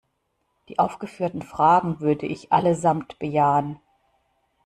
Die aufgeführten Fragen würde ich allesamt bejahen.